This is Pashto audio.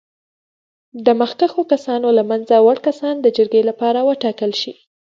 د مخکښو کسانو له منځه وړ کسان د جرګې لپاره وټاکل شي.